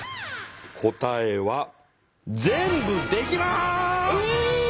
答えは全部できます！え！